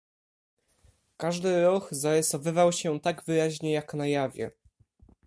"Każdy ruch zarysowywał się tak wyraźnie, jak na jawie."